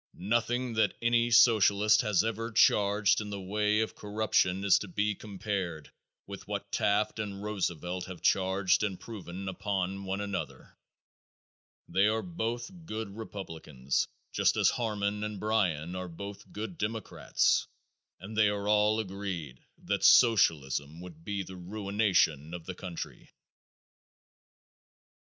Nothing that any Socialist has ever charged in the way of corruption is to be compared with what Taft and Roosevelt have charged and proven upon one another. They are both good Republicans, just as Harmon and Bryan are both good Democrats and they are all agreed that Socialism would be the ruination of the country.